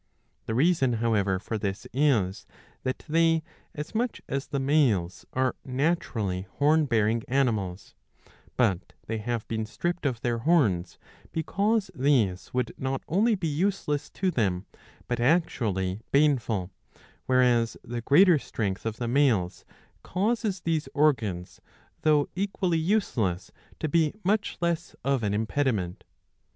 The reason, however, for this is that they, as much as the males, are naturally horn bearing animals ; but they have been stripped of their horns, because these would not only be useless to them but actually baneful ;^ whereas the greater strength of the males causes these organs, though equally useless, to be much less of an impediment.